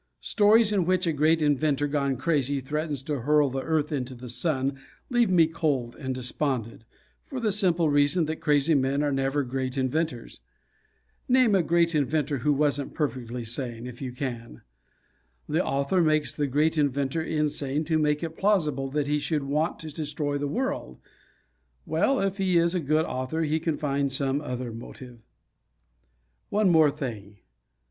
Stories in which a great inventor gone crazy threatens to hurl the Earth into the Sun leave me cold and despondent, for the simple reason that crazy men are never great inventors. Name a great inventor who wasn't perfectly sane, if you can. The author makes the great inventor insane to make it plausible that he should want to destroy the World. Well, if he is a good author he can find some other motive. One more thing.